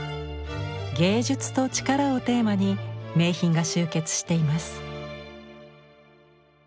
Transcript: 「芸術と力」をテーマに名品が集結しています。